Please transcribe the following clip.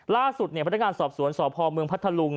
ล่าสุดพนักงานสอบสวนส่อพมพฤทธิ์ลุง